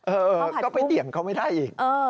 เออก็ไปเบี่ยงเขาไม่ได้อีก